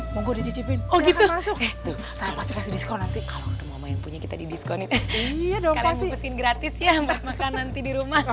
mau dicicipin oh gitu pas diskon nanti kita di diskonin gratis ya makan nanti di rumah